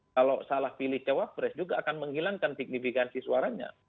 kalau salah pilih cawapres juga akan menghilangkan signifikansi suaranya